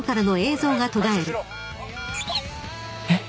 えっ？